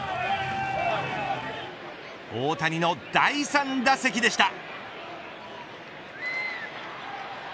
大谷の第３打席でした。